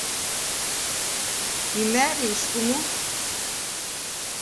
იმ’ა̄̈̈რი ისგუ მუ?